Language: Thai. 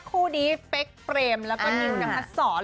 คู่นี้เป๊กเปรมแล้วก็นิวนพัดศร